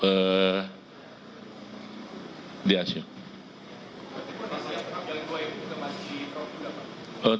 berarti masih stabil ya